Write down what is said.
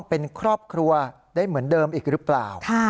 เป็นครอบครัวได้เหมือนเดิมอีกหรือเปล่า